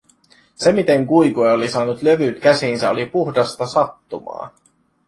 Se, miten Quique oli saanut levyt käsiinsä, oli puhdasta sattumaa.